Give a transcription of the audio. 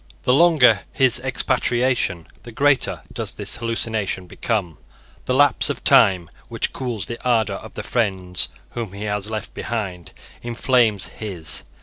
The longer his expatriation, the greater does this hallucination become. The lapse of time, which cools the ardour of the friends whom he has left behind, inflames his.